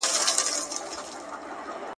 که ښځې زکات ورکړي نو مال به نه کمیږي.